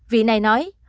vị này nói